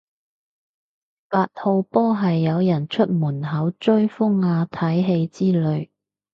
八號波係有人出門口追風啊睇戲之類